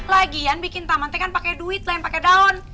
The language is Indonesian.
lagian bikin taman itu kan pake duit lah yang pake daun